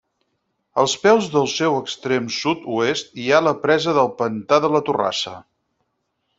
Als peus del seu extrem sud-oest hi ha la presa del Pantà de la Torrassa.